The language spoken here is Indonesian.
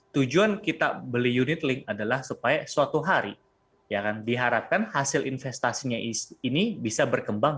tujuan kita beli unitlink adalah supaya suatu hari diharapkan hasil investasinya ini bisa berkembang